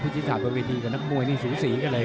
ภูชิศาสตร์บริเวธีกับนักมวยนี่สูงสีก็เลย